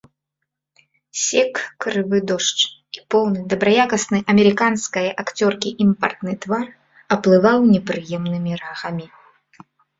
Сек крывы дождж, і поўны дабраякасны амерыканскае акцёркі імпартны твар аплываў непрыемнымі рагамі.